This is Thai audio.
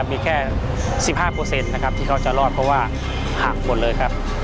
มีแค่สิบห้าเปอร์เซ็นต์นะครับที่เขาจะรอดเพราะว่าหังหมดเลยครับ